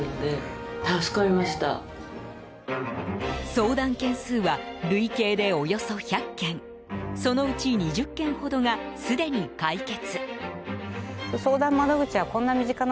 相談件数は累計でおよそ１００件そのうち２０件ほどがすでに解決。